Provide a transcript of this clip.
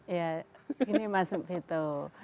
iya ini masuk itu